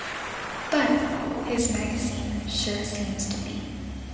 But, his magazine sure seems to be.